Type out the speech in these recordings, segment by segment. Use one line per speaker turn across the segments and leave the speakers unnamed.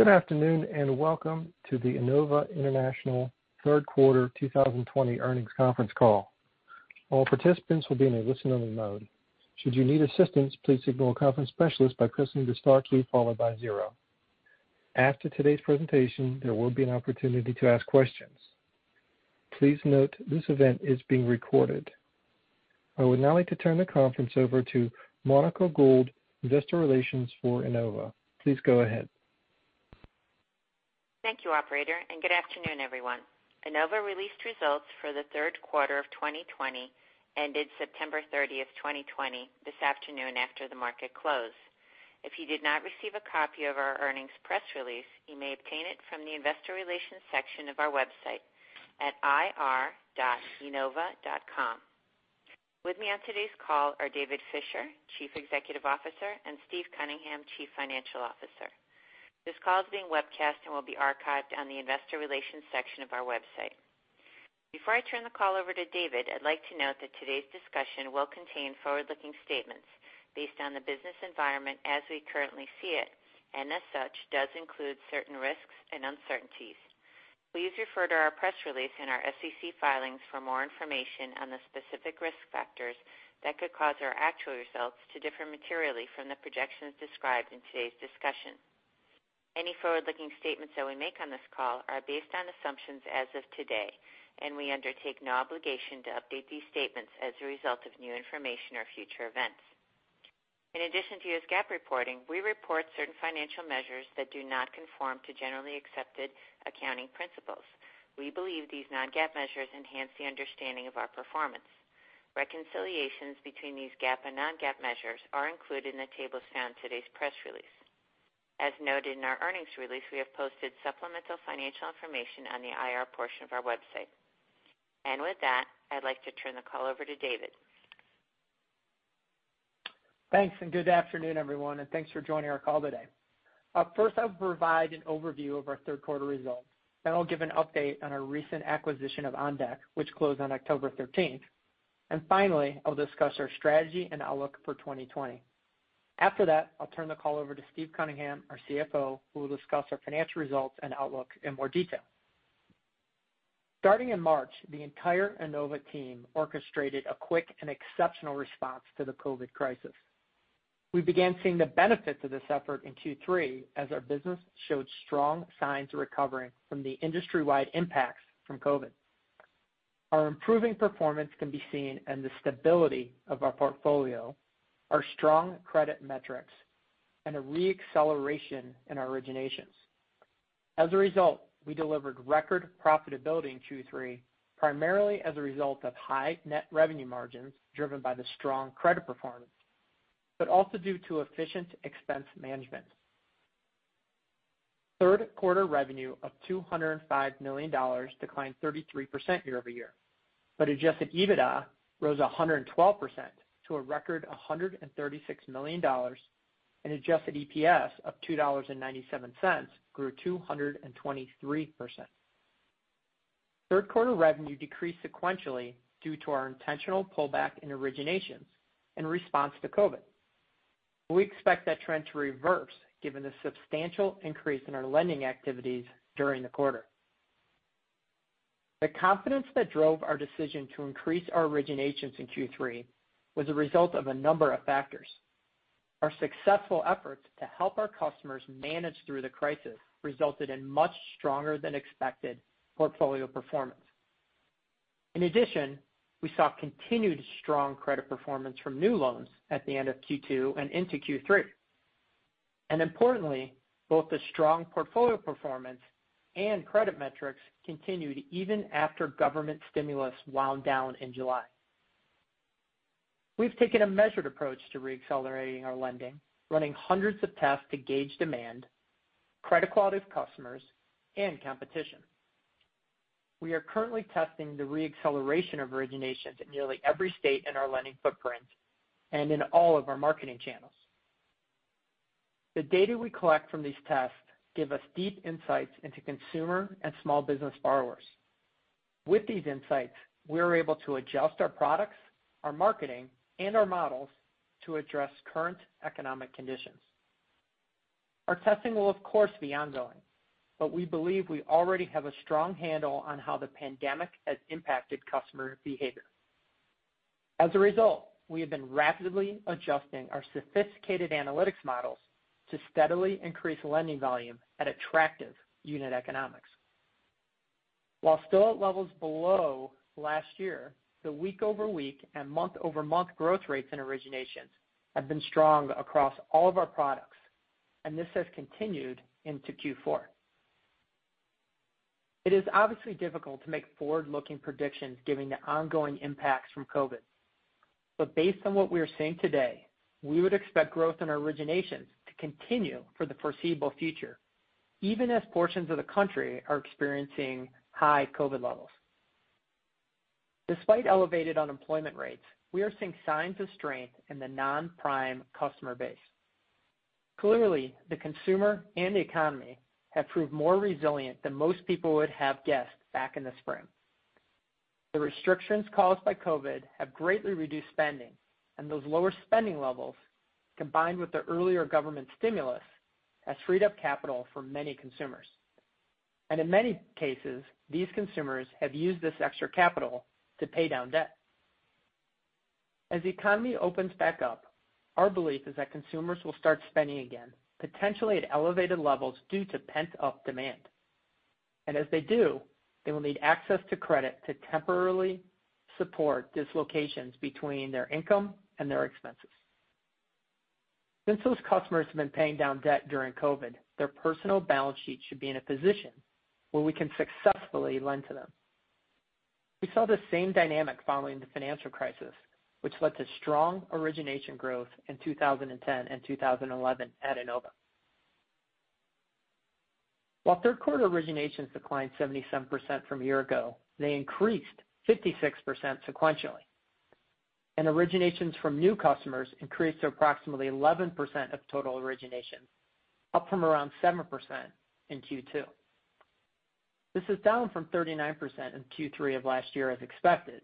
Good afternoon, and welcome to the Enova International third quarter 2020 earnings conference call. I would now like to turn the conference over to Monica Gould, investor relations for Enova. Please go ahead.
Thank you, operator, good afternoon, everyone. Enova released results for the third quarter of 2020, ended September 30th, 2020, this afternoon after the market close. If you did not receive a copy of our earnings press release, you may obtain it from the investor relations section of our website at ir.enova.com. With me on today's call are David Fisher, Chief Executive Officer, and Steve Cunningham, Chief Financial Officer. This call is being webcast and will be archived on the investor relations section of our website. Before I turn the call over to David, I'd like to note that today's discussion will contain forward-looking statements based on the business environment as we currently see it, as such, does include certain risks and uncertainties. Please refer to our press release and our SEC filings for more information on the specific risk factors that could cause our actual results to differ materially from the projections described in today's discussion. Any forward-looking statements that we make on this call are based on assumptions as of today, and we undertake no obligation to update these statements as a result of new information or future events. In addition to U.S. GAAP reporting, we report certain financial measures that do not conform to generally accepted accounting principles. We believe these non-GAAP measures enhance the understanding of our performance. Reconciliations between these GAAP and non-GAAP measures are included in the tables found in today's press release. As noted in our earnings release, we have posted supplemental financial information on the IR portion of our website. With that, I'd like to turn the call over to David.
Thanks, and good afternoon, everyone, and thanks for joining our call today. Up first, I'll provide an overview of our third quarter results. I'll give an update on our recent acquisition of OnDeck, which closed on October 13th. Finally, I'll discuss our strategy and outlook for 2020. After that, I'll turn the call over to Steve Cunningham, our CFO, who will discuss our financial results and outlook in more detail. Starting in March, the entire Enova team orchestrated a quick and exceptional response to the COVID crisis. We began seeing the benefits of this effort in Q3 as our business showed strong signs of recovering from the industry-wide impacts from COVID. Our improving performance can be seen in the stability of our portfolio, our strong credit metrics, and a re-acceleration in our originations. As a result, we delivered record profitability in Q3, primarily as a result of high net revenue margins driven by the strong credit performance, but also due to efficient expense management. Third quarter revenue of $205 million declined 33% year-over-year. Adjusted EBITDA rose 112% to a record $136 million, and adjusted EPS of $2.97 grew 223%. Third quarter revenue decreased sequentially due to our intentional pullback in originations in response to COVID. We expect that trend to reverse given the substantial increase in our lending activities during the quarter. The confidence that drove our decision to increase our originations in Q3 was a result of a number of factors. Our successful efforts to help our customers manage through the crisis resulted in much stronger than expected portfolio performance. In addition, we saw continued strong credit performance from new loans at the end of Q2 and into Q3. Importantly, both the strong portfolio performance and credit metrics continued even after government stimulus wound down in July. We've taken a measured approach to re-accelerating our lending, running hundreds of tests to gauge demand, credit quality of customers, and competition. We are currently testing the re-acceleration of originations in nearly every state in our lending footprint and in all of our marketing channels. The data we collect from these tests give us deep insights into consumer and small business borrowers. With these insights, we are able to adjust our products, our marketing, and our models to address current economic conditions. Our testing will, of course, be ongoing. We believe we already have a strong handle on how the pandemic has impacted customer behavior. As a result, we have been rapidly adjusting our sophisticated analytics models to steadily increase lending volume at attractive unit economics. While still at levels below last year, the week-over-week and month-over-month growth rates in originations have been strong across all of our products, and this has continued into Q4. It is obviously difficult to make forward-looking predictions given the ongoing impacts from COVID. Based on what we are seeing today, we would expect growth in our originations to continue for the foreseeable future, even as portions of the country are experiencing high COVID levels. Despite elevated unemployment rates, we are seeing signs of strength in the non-prime customer base. Clearly, the consumer and the economy have proved more resilient than most people would have guessed back in the spring. The restrictions caused by COVID have greatly reduced spending, and those lower spending levels, combined with the earlier government stimulus, has freed up capital for many consumers. In many cases, these consumers have used this extra capital to pay down debt. As the economy opens back up, our belief is that consumers will start spending again, potentially at elevated levels due to pent-up demand. As they do, they will need access to credit to temporarily support dislocations between their income and their expenses. Since those customers have been paying down debt during COVID, their personal balance sheet should be in a position where we can successfully lend to them. We saw the same dynamic following the financial crisis, which led to strong origination growth in 2010 and 2011 at Enova. While third quarter originations declined 77% from a year ago, they increased 56% sequentially, and originations from new customers increased to approximately 11% of total originations, up from around 7% in Q2. This is down from 39% in Q3 of last year as expected.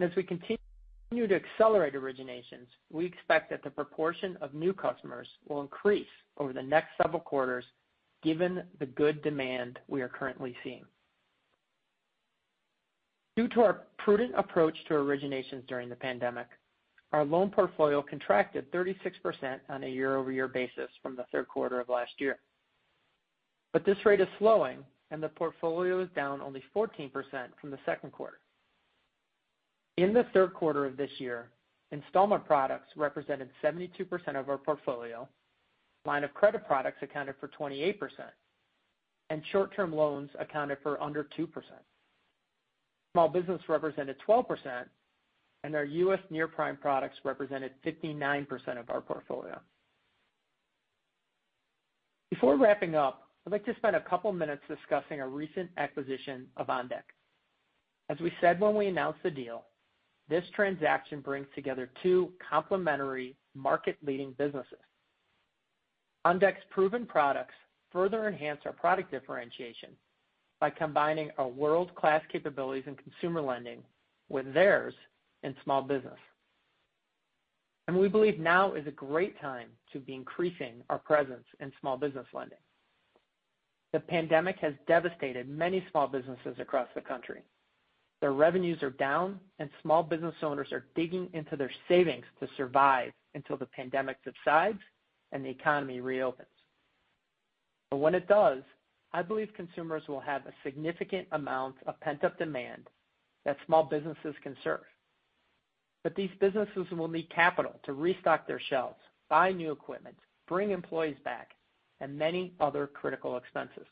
As we continue to accelerate originations, we expect that the proportion of new customers will increase over the next several quarters given the good demand we are currently seeing. Due to our prudent approach to originations during the pandemic, our loan portfolio contracted 36% on a year-over-year basis from the third quarter of last year. This rate is slowing, and the portfolio is down only 14% from the second quarter. In the third quarter of this year, installment products represented 72% of our portfolio, line of credit products accounted for 28%, and short-term loans accounted for under 2%. Small business represented 12%, and our U.S. near-prime products represented 59% of our portfolio. Before wrapping up, I'd like to spend a couple minutes discussing our recent acquisition of OnDeck. As we said when we announced the deal, this transaction brings together two complementary market-leading businesses. OnDeck's proven products further enhance our product differentiation by combining our world-class capabilities in consumer lending with theirs in small business. We believe now is a great time to be increasing our presence in small business lending. The pandemic has devastated many small businesses across the country. Their revenues are down, and small business owners are digging into their savings to survive until the pandemic subsides and the economy reopens. When it does, I believe consumers will have a significant amount of pent-up demand that small businesses can serve. These businesses will need capital to restock their shelves, buy new equipment, bring employees back, and many other critical expenses.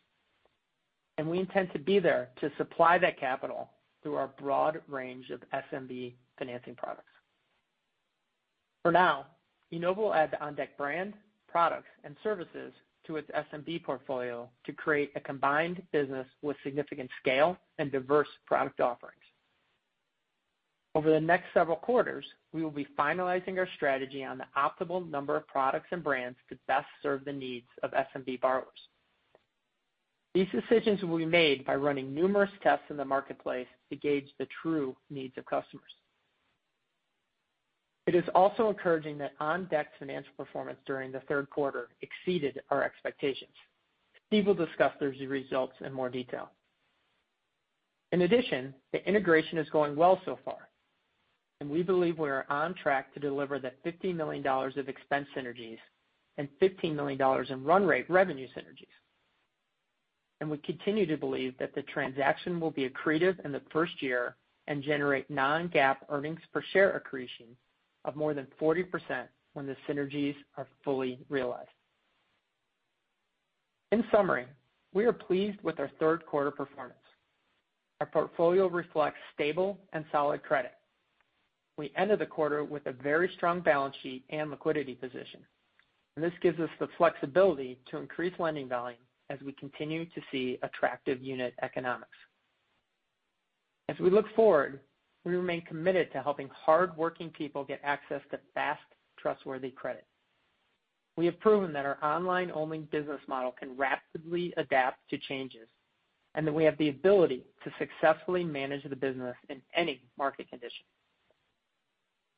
We intend to be there to supply that capital through our broad range of SMB financing products. For now, Enova will add the OnDeck brand, products, and services to its SMB portfolio to create a combined business with significant scale and diverse product offerings. Over the next several quarters, we will be finalizing our strategy on the optimal number of products and brands to best serve the needs of SMB borrowers. These decisions will be made by running numerous tests in the marketplace to gauge the true needs of customers. It is also encouraging that OnDeck's financial performance during the third quarter exceeded our expectations. Steve will discuss those results in more detail. In addition, the integration is going well so far, and we believe we are on track to deliver the $50 million of expense synergies and $15 million in run rate revenue synergies. We continue to believe that the transaction will be accretive in the first year and generate non-GAAP earnings per share accretion of more than 40% when the synergies are fully realized. In summary, we are pleased with our third quarter performance. Our portfolio reflects stable and solid credit. We ended the quarter with a very strong balance sheet and liquidity position, and this gives us the flexibility to increase lending volume as we continue to see attractive unit economics. As we look forward, we remain committed to helping hardworking people get access to fast, trustworthy credit. We have proven that our online-only business model can rapidly adapt to changes and that we have the ability to successfully manage the business in any market condition.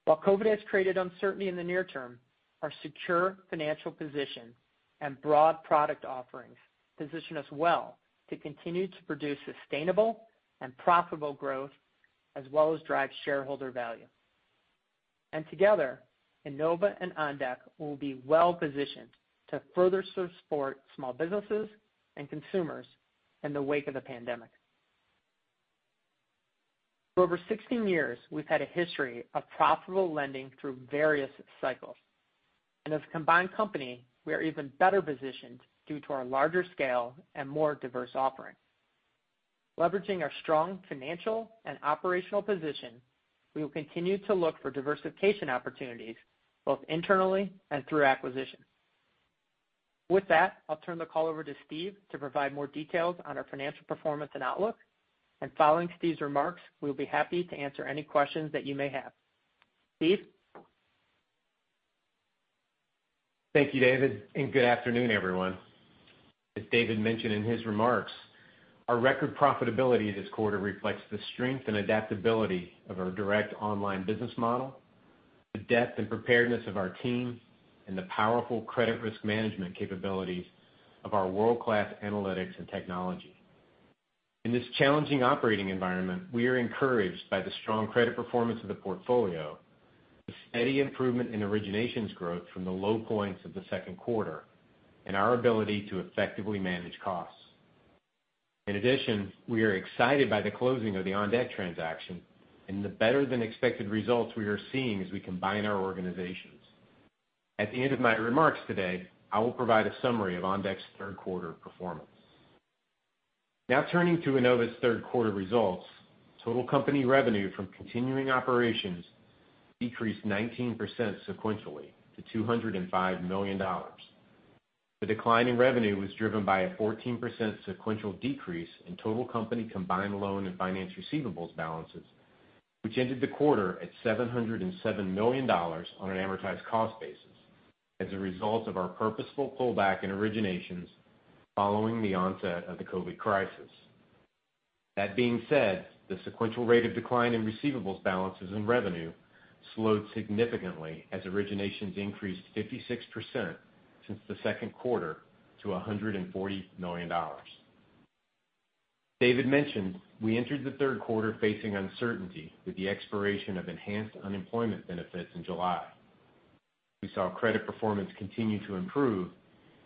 While COVID has created uncertainty in the near term, our secure financial position and broad product offerings position us well to continue to produce sustainable and profitable growth as well as drive shareholder value. Together, Enova and OnDeck will be well-positioned to further support small businesses and consumers in the wake of the pandemic. For over 16 years, we've had a history of profitable lending through various cycles. As a combined company, we are even better positioned due to our larger scale and more diverse offerings. Leveraging our strong financial and operational position, we will continue to look for diversification opportunities both internally and through acquisition. With that, I'll turn the call over to Steve to provide more details on our financial performance and outlook. Following Steve's remarks, we'll be happy to answer any questions that you may have. Steve?
Thank you, David, and good afternoon, everyone. As David mentioned in his remarks, our record profitability this quarter reflects the strength and adaptability of our direct online business model, the depth and preparedness of our team, and the powerful credit risk management capabilities of our world-class analytics and technology. In this challenging operating environment, we are encouraged by the strong credit performance of the portfolio, the steady improvement in originations growth from the low points of the second quarter, and our ability to effectively manage costs. In addition, we are excited by the closing of the OnDeck transaction and the better than expected results we are seeing as we combine our organizations. At the end of my remarks today, I will provide a summary of OnDeck's third quarter performance. Now turning to Enova's third quarter results. Total company revenue from continuing operations decreased 19% sequentially to $205 million. The decline in revenue was driven by a 14% sequential decrease in total company combined loan and finance receivables balances, which ended the quarter at $707 million on an amortized cost basis as a result of our purposeful pullback in originations following the onset of the COVID crisis. That being said, the sequential rate of decline in receivables balances and revenue slowed significantly as originations increased 56% since the second quarter to $140 million. David mentioned we entered the third quarter facing uncertainty with the expiration of enhanced unemployment benefits in July. We saw credit performance continue to improve,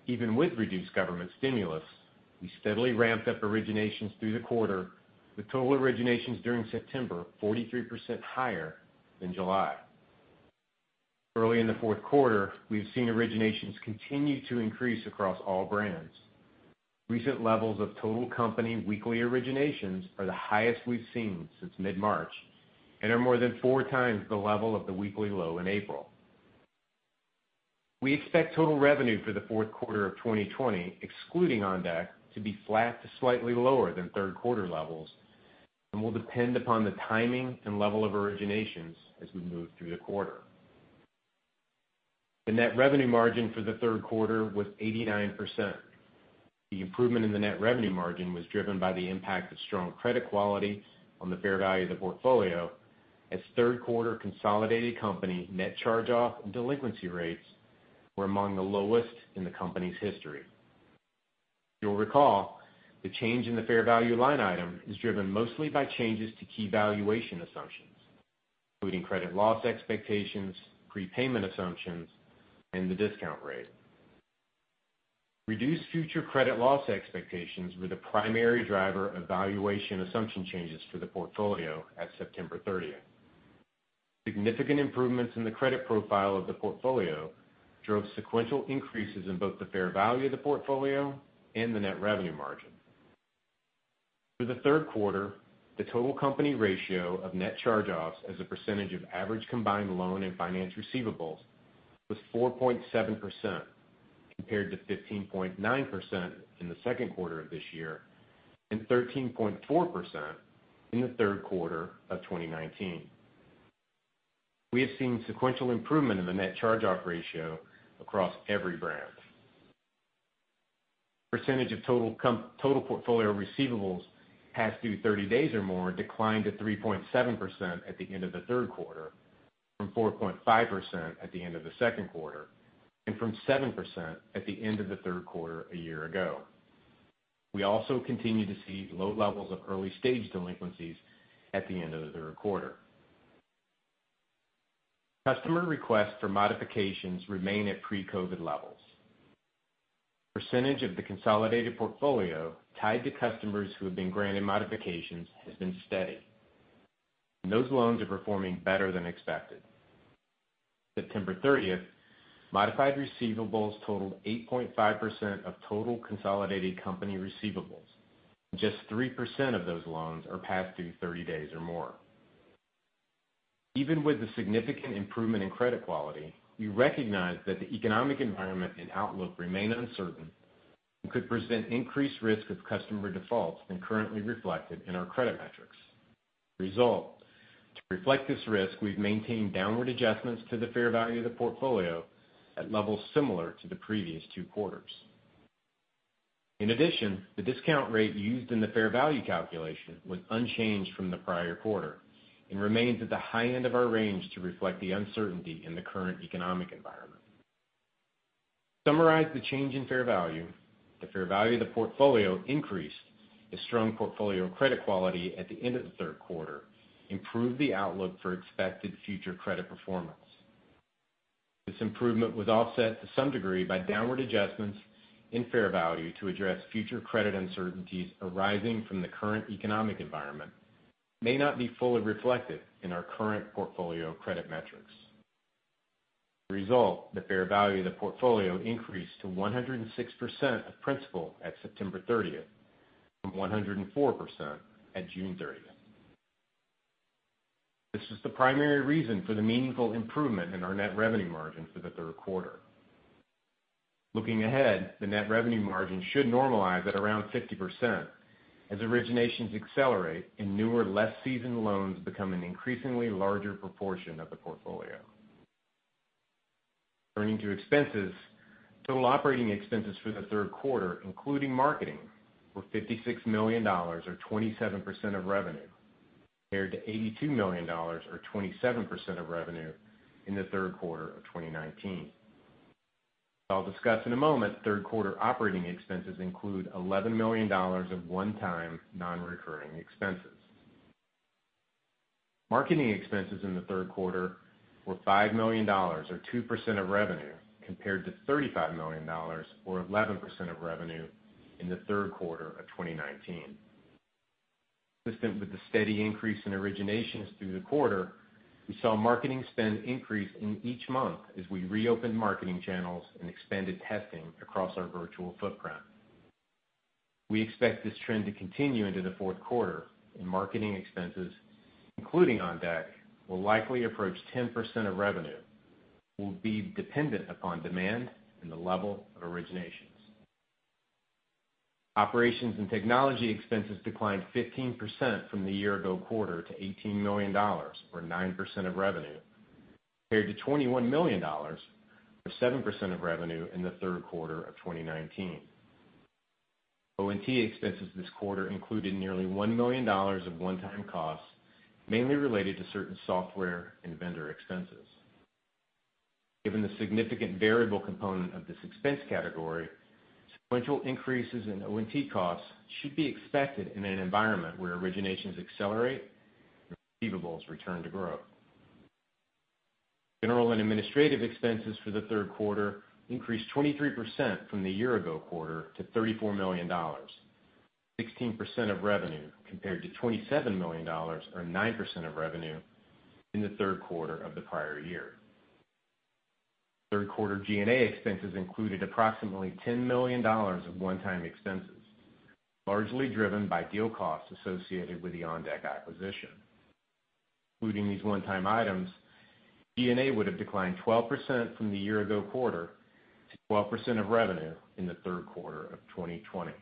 even with reduced government stimulus. We steadily ramped up originations through the quarter with total originations during September 43% higher than July. Early in the fourth quarter, we've seen originations continue to increase across all brands. Recent levels of total company weekly originations are the highest we've seen since mid-March and are more than four times the level of the weekly low in April. We expect total revenue for the fourth quarter of 2020, excluding OnDeck, to be flat to slightly lower than third quarter levels and will depend upon the timing and level of originations as we move through the quarter. The net revenue margin for the third quarter was 89%. The improvement in the net revenue margin was driven by the impact of strong credit quality on the fair value of the portfolio as third quarter consolidated company net charge-off and delinquency rates were among the lowest in the company's history. You'll recall the change in the fair value line item is driven mostly by changes to key valuation assumptions, including credit loss expectations, prepayment assumptions, and the discount rate. Reduced future credit loss expectations were the primary driver of valuation assumption changes for the portfolio at September 30th. Significant improvements in the credit profile of the portfolio drove sequential increases in both the fair value of the portfolio and the net revenue margin. For the third quarter, the total company ratio of net charge-offs as a percentage of average combined loan and finance receivables was 4.7%, compared to 15.9% in the second quarter of this year and 13.4% in the third quarter of 2019. We have seen sequential improvement in the net charge-off ratio across every brand. Percentage of total portfolio receivables past due 30 days or more declined to 3.7% at the end of the third quarter from 4.5% at the end of the second quarter and from 7% at the end of the third quarter a year ago. We also continue to see low levels of early-stage delinquencies at the end of the third quarter. Customer requests for modifications remain at pre-COVID levels. Percentage of the consolidated portfolio tied to customers who have been granted modifications has been steady, and those loans are performing better than expected. September 30th, modified receivables totaled 8.5% of total consolidated company receivables, and just 3% of those loans are past due 30 days or more. Even with the significant improvement in credit quality, we recognize that the economic environment and outlook remain uncertain and could present increased risk of customer defaults than currently reflected in our credit metrics. To reflect this risk, we've maintained downward adjustments to the fair value of the portfolio at levels similar to the previous two quarters. In addition, the discount rate used in the fair value calculation was unchanged from the prior quarter and remains at the high end of our range to reflect the uncertainty in the current economic environment. Summarize the change in fair value. The fair value of the portfolio increased as strong portfolio credit quality at the end of the third quarter improved the outlook for expected future credit performance. This improvement was offset to some degree by downward adjustments in fair value to address future credit uncertainties arising from the current economic environment may not be fully reflected in our current portfolio credit metrics. Result, the fair value of the portfolio increased to 106% of principal at September 30th from 104% at June 30th. This is the primary reason for the meaningful improvement in our net revenue margin for the third quarter. Looking ahead, the net revenue margin should normalize at around 50% as originations accelerate and newer, less seasoned loans become an increasingly larger proportion of the portfolio. Turning to expenses, total operating expenses for the third quarter, including marketing, were $56 million, or 27% of revenue, compared to $82 million, or 27% of revenue in the third quarter of 2019. I'll discuss in a moment, third quarter operating expenses include $11 million of one-time, non-recurring expenses. Marketing expenses in the third quarter were $5 million, or 2% of revenue, compared to $35 million, or 11% of revenue in the third quarter of 2019. Consistent with the steady increase in originations through the quarter, we saw marketing spend increase in each month as we reopened marketing channels and expanded testing across our virtual footprint. We expect this trend to continue into the fourth quarter, and marketing expenses, including OnDeck, will likely approach 10% of revenue, will be dependent upon demand and the level of originations. Operations and technology expenses declined 15% from the year ago quarter to $18 million, or 9% of revenue, compared to $21 million, or 7% of revenue in the third quarter of 2019. O&T expenses this quarter included nearly $1 million of one-time costs, mainly related to certain software and vendor expenses. Given the significant variable component of this expense category, sequential increases in O&T costs should be expected in an environment where originations accelerate and receivables return to growth. General and administrative expenses for the third quarter increased 23% from the year ago quarter to $34 million, 16% of revenue, compared to $27 million, or 9% of revenue in the third quarter of the prior year. Third quarter G&A expenses included approximately $10 million of one-time expenses, largely driven by deal costs associated with the OnDeck acquisition. Including these one-time items, G&A would have declined 12% from the year-ago quarter to 12% of revenue in the third quarter of 2020.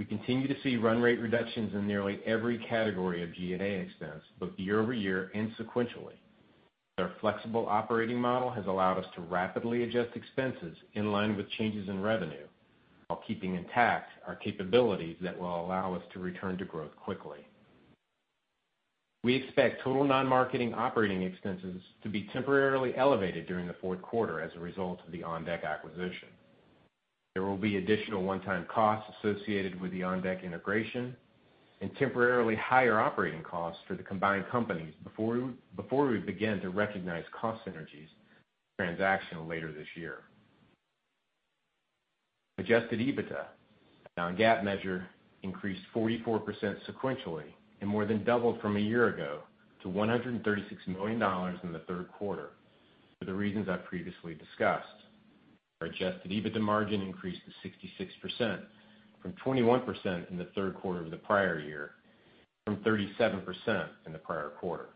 We continue to see run rate reductions in nearly every category of G&A expense, both year-over-year and sequentially. Our flexible operating model has allowed us to rapidly adjust expenses in line with changes in revenue while keeping intact our capabilities that will allow us to return to growth quickly. We expect total non-marketing operating expenses to be temporarily elevated during the fourth quarter as a result of the OnDeck acquisition. There will be additional one-time costs associated with the OnDeck integration and temporarily higher operating costs for the combined companies before we begin to recognize cost synergies from the transaction later this year. Adjusted EBITDA, a non-GAAP measure, increased 44% sequentially and more than doubled from a year ago to $136 million in the third quarter for the reasons I previously discussed. Our adjusted EBITDA margin increased to 66%, from 21% in the third quarter of the prior year, from 37% in the prior quarter.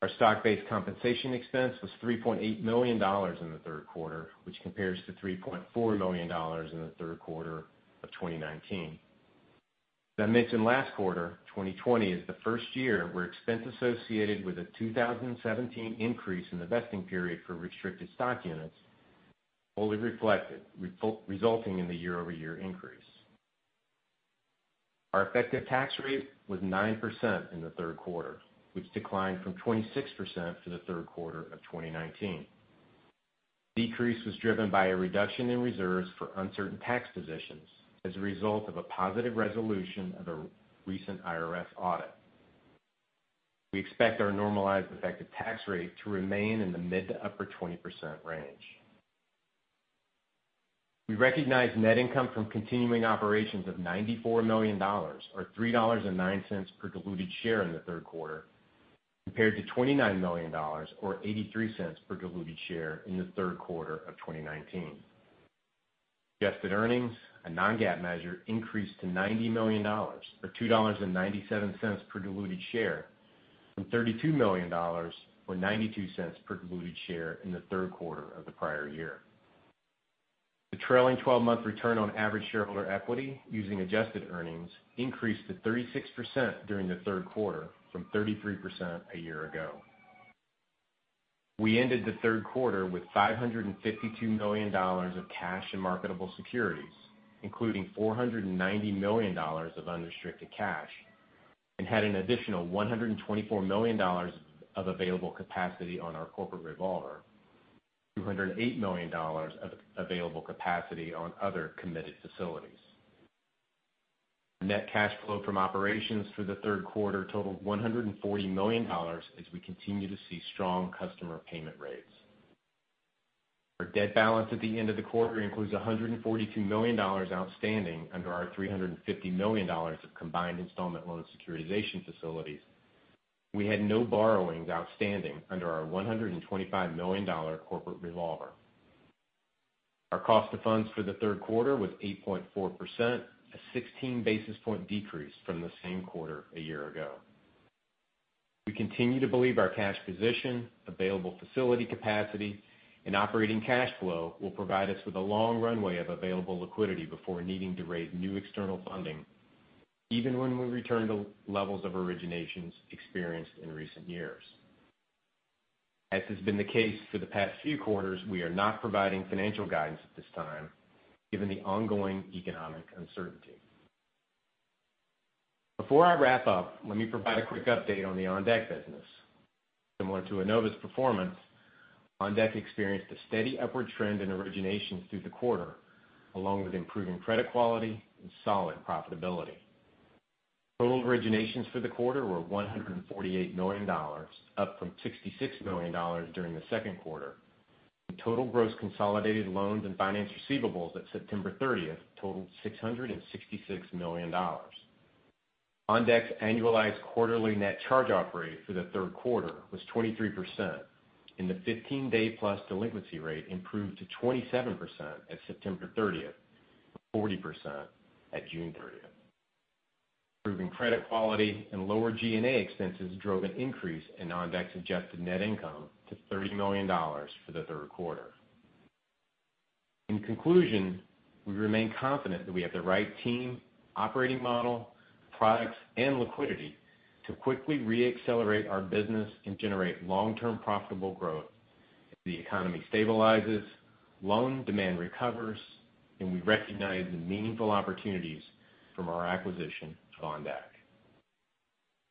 Our stock-based compensation expense was $3.8 million in the third quarter, which compares to $3.4 million in the third quarter of 2019. As I mentioned last quarter, 2020 is the first year where expense associated with a 2017 increase in the vesting period for restricted stock units is fully reflected, resulting in the year-over-year increase. Our effective tax rate was 9% in the third quarter, which declined from 26% for the third quarter of 2019. The decrease was driven by a reduction in reserves for uncertain tax positions as a result of a positive resolution of a recent IRS audit. We expect our normalized effective tax rate to remain in the mid to upper 20% range. We recognized net income from continuing operations of $94 million, or $3.09 per diluted share in the third quarter, compared to $29 million, or $0.83 per diluted share in the third quarter of 2019. Adjusted earnings, a non-GAAP measure, increased to $90 million, or $2.97 per diluted share, from $32 million, or $0.92 per diluted share in the third quarter of the prior year. The trailing 12-month return on average shareholder equity using adjusted earnings increased to 36% during the third quarter from 33% a year ago. We ended the third quarter with $552 million of cash and marketable securities, including $490 million of unrestricted cash, and had an additional $124 million of available capacity on our corporate revolver, and $208 million of available capacity on other committed facilities. Net cash flow from operations for the third quarter totaled $140 million, as we continue to see strong customer payment rates. Our debt balance at the end of the quarter includes $142 million outstanding under our $350 million of combined installment loan securitization facilities. We had no borrowings outstanding under our $125 million corporate revolver. Our cost of funds for the third quarter was 8.4%, a 16-basis-point decrease from the same quarter a year ago. We continue to believe our cash position, available facility capacity, and operating cash flow will provide us with a long runway of available liquidity before needing to raise new external funding, even when we return to levels of originations experienced in recent years. As has been the case for the past few quarters, we are not providing financial guidance at this time, given the ongoing economic uncertainty. Before I wrap up, let me provide a quick update on the OnDeck business. Similar to Enova's performance, OnDeck experienced a steady upward trend in originations through the quarter, along with improving credit quality and solid profitability. Total originations for the quarter were $148 million, up from $66 million during the second quarter, and total gross consolidated loans and finance receivables at September 30th totaled $666 million. OnDeck's annualized quarterly net charge-off rate for the third quarter was 23%, and the 15-day plus delinquency rate improved to 27% at September 30th from 40% at June 30th. Improving credit quality and lower G&A expenses drove an increase in OnDeck's adjusted net income to $30 million for the third quarter. In conclusion, we remain confident that we have the right team, operating model, products, and liquidity to quickly re-accelerate our business and generate long-term profitable growth as the economy stabilizes, loan demand recovers, and we recognize the meaningful opportunities from our acquisition of OnDeck.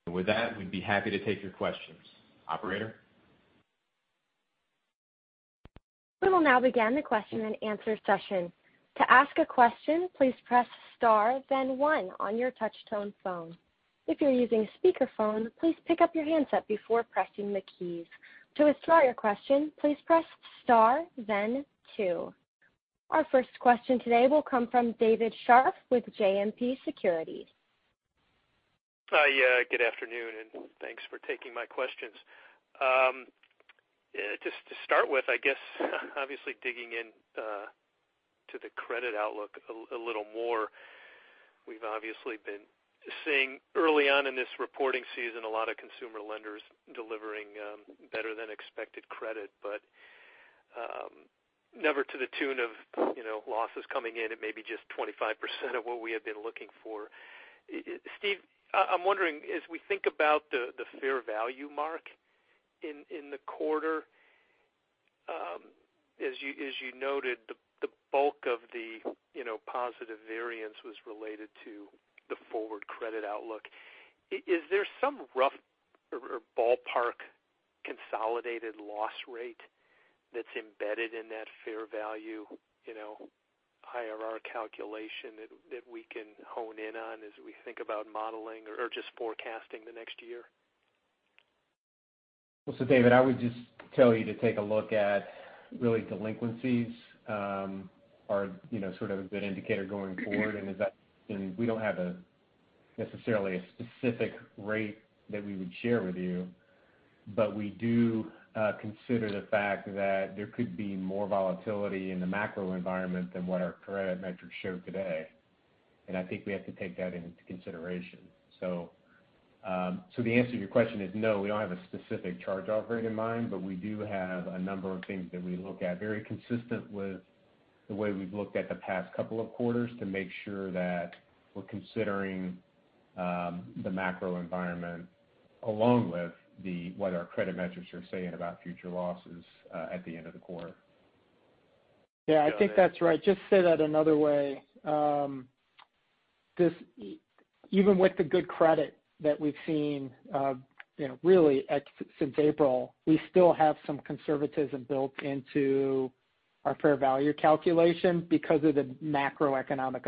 With that, we'd be happy to take your questions. Operator?
We will now begin the question and answer session. Our first question today will come from David Scharf with JMP Securities.
Hi. Good afternoon, and thanks for taking my questions. Just to start with, I guess, obviously digging in to the credit outlook a little more. We've obviously been seeing early on in this reporting season a lot of consumer lenders delivering better than expected credit, but never to the tune of losses coming in at maybe just 25% of what we had been looking for. Steve, I'm wondering, as we think about the fair value mark in the quarter, as you noted, the bulk of the positive variance was related to the forward credit outlook. Is there some rough or ballpark consolidated loss rate that's embedded in that fair value IRR calculation that we can hone in on as we think about modeling or just forecasting the next year?
Well, David, I would just tell you to take a look at really delinquencies are sort of a good indicator going forward, and we don't have necessarily a specific rate that we would share with you. We do consider the fact that there could be more volatility in the macro environment than what our credit metrics show today, and I think we have to take that into consideration. The answer to your question is no, we don't have a specific charge-off rate in mind, but we do have a number of things that we look at, very consistent with the way we've looked at the past couple of quarters to make sure that we're considering the macro environment along with what our credit metrics are saying about future losses at the end of the quarter.
Yeah, I think that's right. Just to say that another way. Even with the good credit that we've seen really since April, we still have some conservatism built into our fair value calculation because of the macroeconomic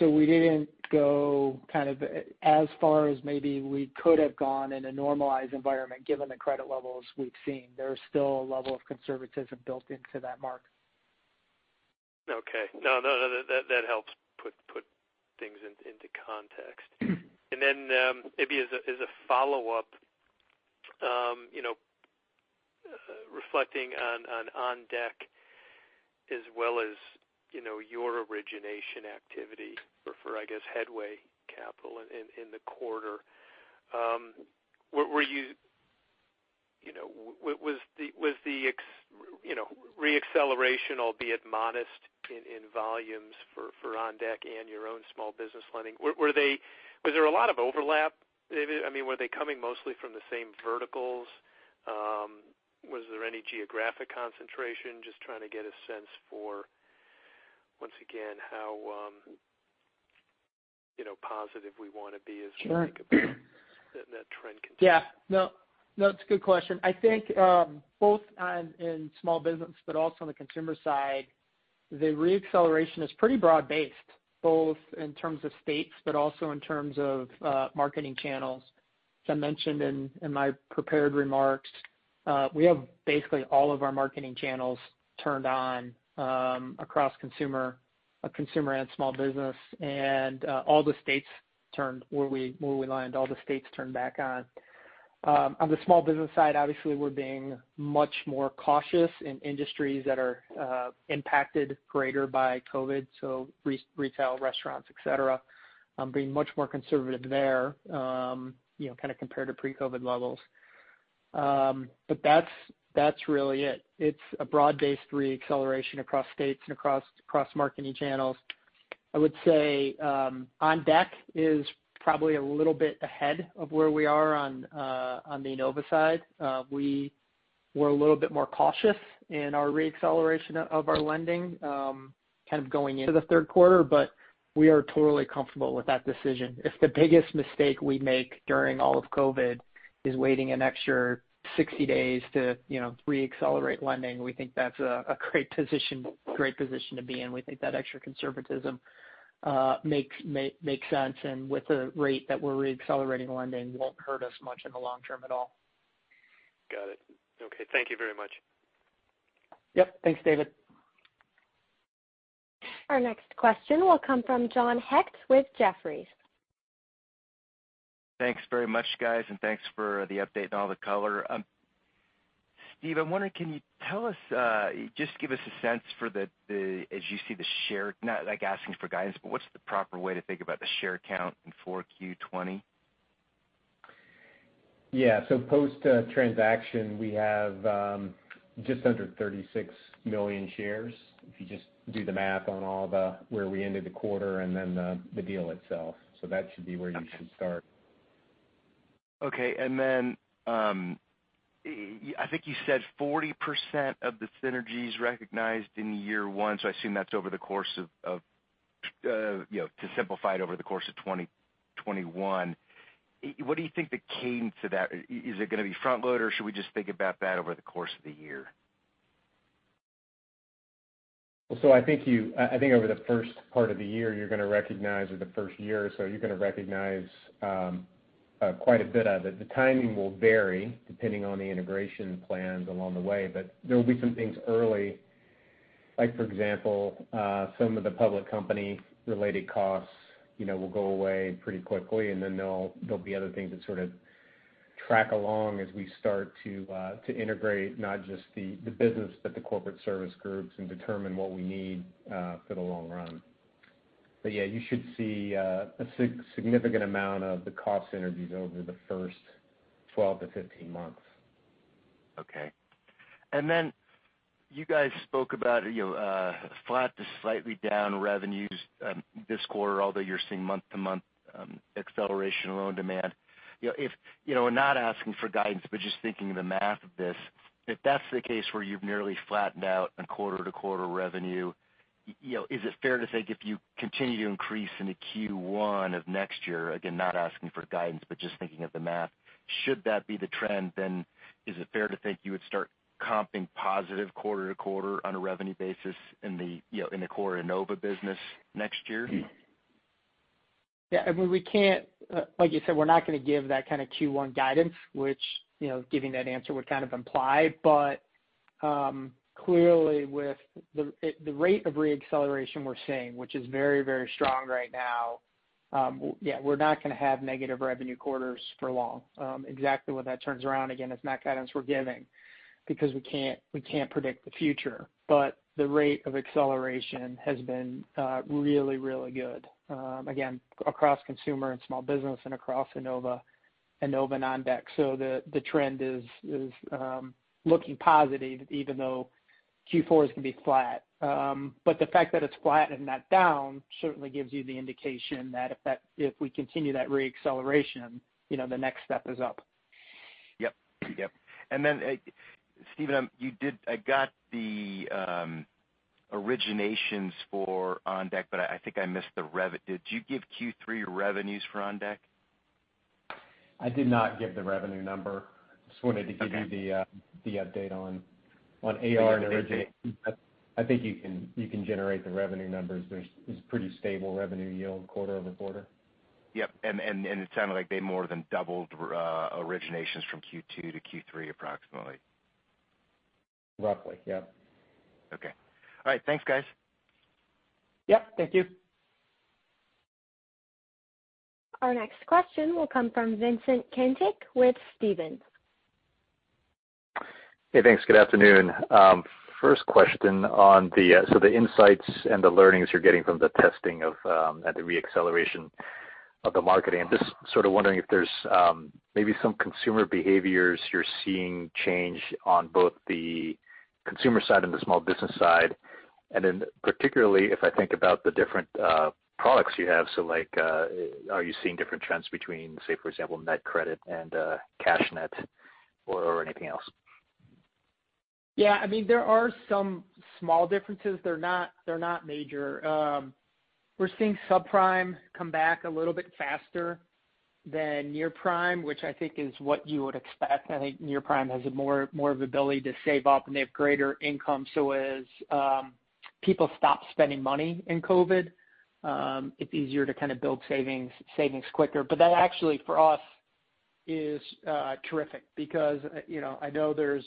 uncertainty. We didn't go as far as maybe we could have gone in a normalized environment, given the credit levels we've seen. There is still a level of conservatism built into that mark.
Okay. No, that helps put things into context. Then maybe as a follow-up, reflecting on OnDeck as well as your origination activity for, I guess, Headway Capital in the quarter. Was the re-acceleration, albeit modest in volumes for OnDeck and your own small business lending, was there a lot of overlap, David? Were they coming mostly from the same verticals? Was there any geographic concentration? Just trying to get a sense for, once again, how positive we want to be as we think about that trend continuing.
No, it's a good question. I think both in small business, but also on the consumer side, the re-acceleration is pretty broad-based, both in terms of states, but also in terms of marketing channels. As I mentioned in my prepared remarks, we have basically all of our marketing channels turned on across consumer and small business, and where we lend, all the states turned back on. On the small business side, obviously, we're being much more cautious in industries that are impacted greater by COVID, so retail, restaurants, et cetera. Being much more conservative there, kind of compared to pre-COVID levels. That's really it. It's a broad-based re-acceleration across states and across marketing channels. I would say OnDeck is probably a little bit ahead of where we are on the Enova side. We were a little bit more cautious in our re-acceleration of our lending kind of going into the third quarter, but we are totally comfortable with that decision. If the biggest mistake we make during all of COVID is waiting an extra 60 days to re-accelerate lending, we think that's a great position to be in. We think that extra conservatism makes sense, and with the rate that we're re-accelerating lending won't hurt us much in the long term at all.
Got it. Okay. Thank you very much.
Yep. Thanks, David.
Our next question will come from John Hecht with Jefferies.
Thanks very much, guys, and thanks for the update and all the color. Steve, I'm wondering, can you tell us, not like asking for guidance, but what's the proper way to think about the share count in 4Q 2020?
Yeah. Post transaction, we have just under 36 million shares. If you just do the math on where we ended the quarter and then the deal itself. That should be where you should start.
I think you said 40% of the synergies recognized in year one, so I assume that's over the course of, to simplify it, over the course of 2021. What do you think that came to that? Is it gonna be front load, or should we just think about that over the course of the year?
I think over the first part of the year, you're going to recognize or the first year, so you're going to recognize quite a bit of it. The timing will vary depending on the integration plans along the way. There will be some things early. Like for example some of the public company-related costs will go away pretty quickly, and then there'll be other things that sort of track along as we start to integrate not just the business, but the corporate service groups and determine what we need for the long run. Yeah, you should see a significant amount of the cost synergies over the first 12-15 months.
Okay. Then you guys spoke about flat to slightly down revenues this quarter, although you're seeing month-over-month acceleration loan demand. We're not asking for guidance, but just thinking of the math of this. If that's the case where you've nearly flattened out on quarter-over-quarter revenue, is it fair to think if you continue to increase into Q1 of next year, again, not asking for guidance, but just thinking of the math. Should that be the trend then, is it fair to think you would start comping positive quarter-over-quarter on a revenue basis in the core Enova business next year?
Like you said, we're not going to give that kind of Q1 guidance, which giving that answer would kind of imply. Clearly with the rate of re-acceleration we're seeing, which is very, very strong right now. We're not going to have negative revenue quarters for long. Exactly when that turns around, again, it's not guidance we're giving because we can't predict the future. The rate of acceleration has been really, really good. Again, across consumer and small business and across Enova and Enova OnDeck. The trend is looking positive even though Q4 is going to be flat. The fact that it's flat and not down certainly gives you the indication that if we continue that re-acceleration, the next step is up.
Yep. Steve, I got the originations for OnDeck, but I think I missed the rev. Did you give Q3 revenues for OnDeck?
I did not give the revenue number. Wanted to give you the update on AR and origination. I think you can generate the revenue numbers. There's pretty stable revenue yield quarter-over-quarter.
Yep. It sounded like they more than doubled originations from Q2 to Q3 approximately.
Roughly, yep.
Okay. All right. Thanks, guys.
Yep, thank you.
Our next question will come from Vincent Caintic with Stephens.
Hey, thanks. Good afternoon. First question on the insights and the learnings you're getting from the testing of and the re-acceleration of the marketing. I'm just sort of wondering if there's maybe some consumer behaviors you're seeing change on both the consumer side and the small business side. Particularly if I think about the different products you have. Like are you seeing different trends between, say, for example, NetCredit and CashNetUSA or anything else?
Yeah, I mean, there are some small differences. They're not major. We're seeing subprime come back a little bit faster than near prime, which I think is what you would expect. I think near prime has more of ability to save up, and they have greater income. As people stop spending money in COVID, it's easier to kind of build savings quicker. That actually, for us, is terrific because I know there's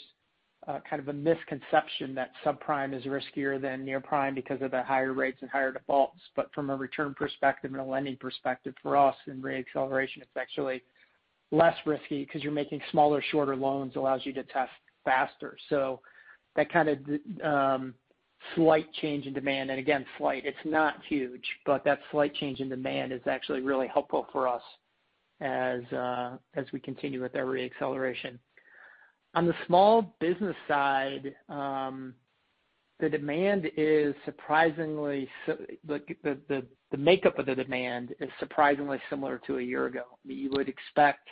kind of a misconception that subprime is riskier than near prime because of the higher rates and higher defaults. From a return perspective and a lending perspective for us and re-acceleration, it's actually less risky because you're making smaller, shorter loans, allows you to test faster. That kind of slight change in demand, and again, slight, it's not huge, but that slight change in demand is actually really helpful for us as we continue with our re-acceleration. On the small business side, the makeup of the demand is surprisingly similar to a year ago. You would expect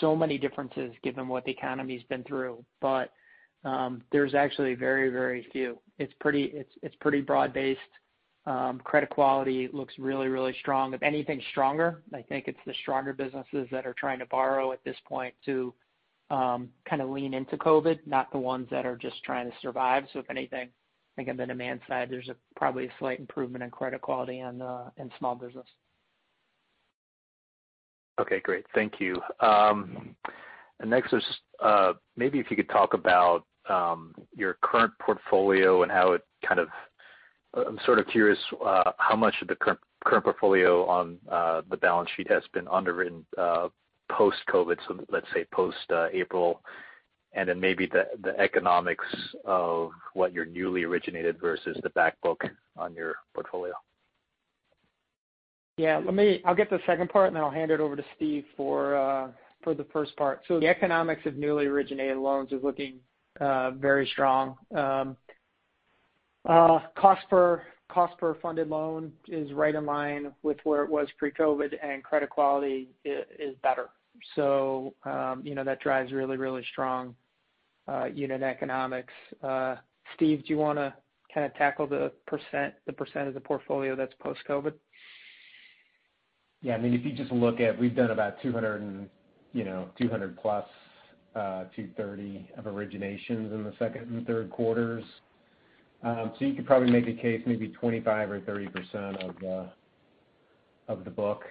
so many differences given what the economy's been through. There's actually very few. It's pretty broad-based. Credit quality looks really strong. If anything, stronger. I think it's the stronger businesses that are trying to borrow at this point to kind of lean into COVID, not the ones that are just trying to survive. If anything, I think on the demand side, there's probably a slight improvement in credit quality in small business.
Okay, great. Thank you. Next, maybe if you could talk about your current portfolio. I'm sort of curious how much of the current portfolio on the balance sheet has been underwritten post-COVID, so let's say post-April, then maybe the economics of what you newly originated versus the back book on your portfolio.
Yeah. I'll get the second part, and then I'll hand it over to Steve for the first part. The economics of newly originated loans is looking very strong. Cost per funded loan is right in line with where it was pre-COVID, and credit quality is better. That drives really strong unit economics. Steve, do you want to kind of tackle the percent of the portfolio that's post-COVID?
Yeah, if you just look at, we've done about $200+, $230 of originations in the second and third quarters. You could probably make a case, maybe 25% or 30% of the book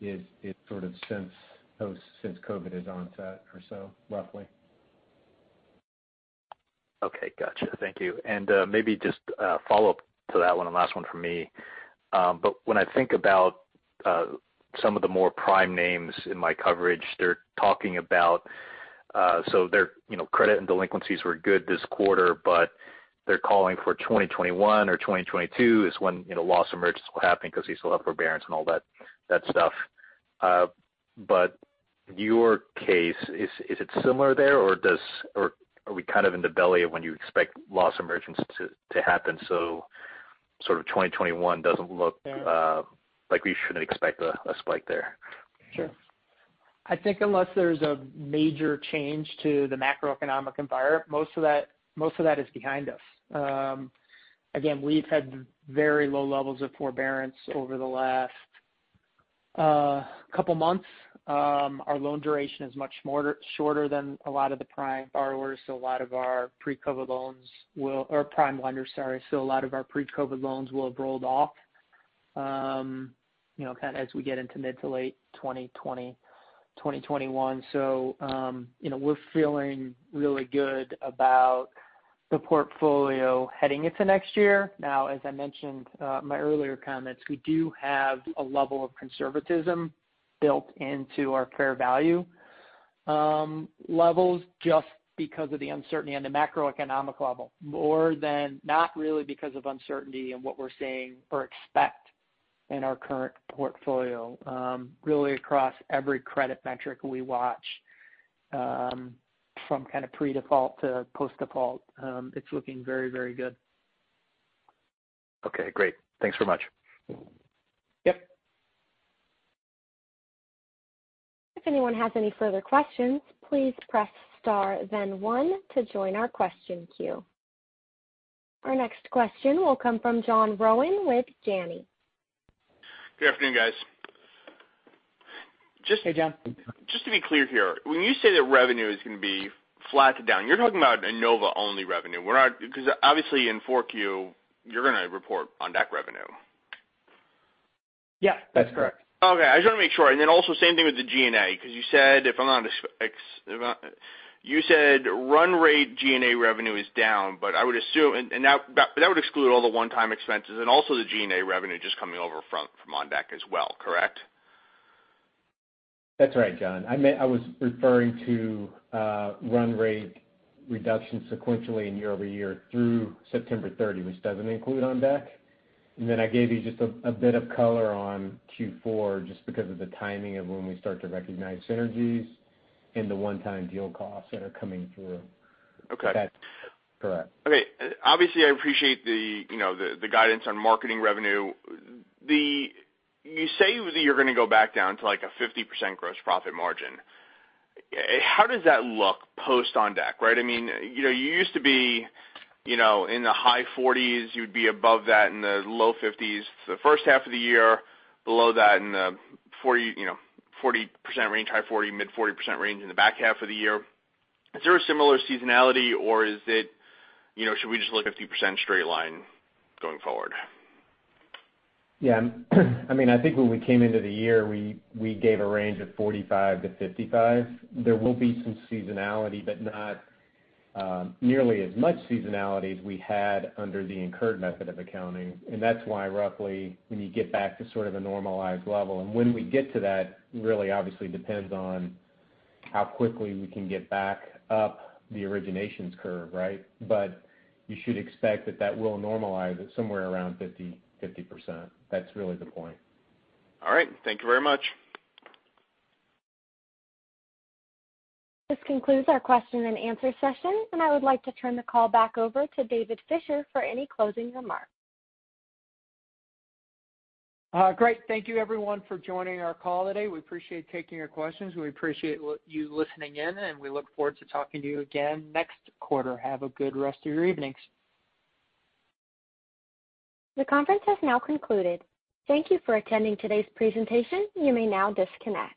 is sort of since COVID has onset or so, roughly.
Okay, gotcha. Thank you. Maybe just a follow-up to that one, last one from me. When I think about some of the more prime names in my coverage, so their credit and delinquencies were good this quarter, but they're calling for 2021 or 2022 is when loss emergence will happen because you still have forbearance and all that stuff. Your case, is it similar there, or are we kind of in the belly of when you expect loss emergence to happen, so sort of 2021 doesn't look like we shouldn't expect a spike there?
Sure. I think unless there's a major change to the macroeconomic environment, most of that is behind us. We've had very low levels of forbearance over the last couple of months. Our loan duration is much shorter than a lot of the prime borrowers. Or prime lender, sorry. A lot of our pre-COVID loans will have rolled off kind of as we get into mid to late 2020, 2021. We're feeling really good about the portfolio heading into next year. As I mentioned in my earlier comments, we do have a level of conservatism built into our fair value levels just because of the uncertainty on the macroeconomic level, more than not really because of uncertainty in what we're seeing or expect in our current portfolio. Really across every credit metric we watch, from kind of pre-default to post-default, it's looking very good.
Okay, great. Thanks very much.
Yep.
If anyone has any further questions, please press star then one to join our question queue. Our next question will come from John Rowan with Janney.
Good afternoon, guys.
Hey, John.
Just to be clear here, when you say that revenue is going to be flat to down, you're talking about Enova-only revenue. Because obviously in 4Q, you're going to report OnDeck revenue.
Yeah, that's correct.
Okay. I just want to make sure. Same thing with the G&A. You said run rate G&A revenue is down. I would assume that would exclude all the one-time expenses and also the G&A revenue just coming over from OnDeck as well, correct?
That's right, John. I was referring to run rate reduction sequentially in year-over-year through September 30, which doesn't include OnDeck. Then I gave you just a bit of color on Q4 just because of the timing of when we start to recognize synergies and the one-time deal costs that are coming through.
Okay.
That's correct.
Okay. Obviously, I appreciate the guidance on marketing revenue. You say that you're going to go back down to like a 50% gross profit margin. How does that look post OnDeck, right? You used to be in the high 40s. You'd be above that in the low 50s the first half of the year, below that in the 40% range, high 40, mid 40% range in the back half of the year. Is there a similar seasonality or should we just look at 50% straight line going forward?
Yeah. I think when we came into the year, we gave a range of 45%-55%. There will be some seasonality but not nearly as much seasonality as we had under the incurred method of accounting. That's why roughly when you get back to sort of a normalized level. When we get to that really obviously depends on how quickly we can get back up the originations curve, right? You should expect that that will normalize at somewhere around 50%. That's really the point.
All right. Thank you very much.
This concludes our question and answer session, and I would like to turn the call back over to David Fisher for any closing remarks.
Great. Thank you everyone for joining our call today. We appreciate taking your questions. We appreciate you listening in, and we look forward to talking to you again next quarter. Have a good rest of your evenings.
The conference has now concluded. Thank you for attending today's presentation. You may now disconnect.